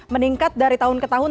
meningkat dari tahun ke tahun